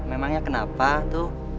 memangnya kenapa tuh